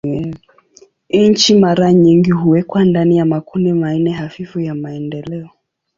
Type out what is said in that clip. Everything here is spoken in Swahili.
Nchi mara nyingi huwekwa ndani ya makundi manne hafifu ya maendeleo.